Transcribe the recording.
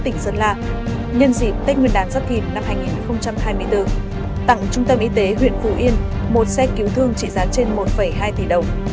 tỉnh sơn la nhân dịp tết nguyên đán giáp thìn năm hai nghìn hai mươi bốn tặng trung tâm y tế huyện phù yên một xe cứu thương trị giá trên một hai tỷ đồng